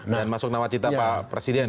dan masuk nama kita pak presiden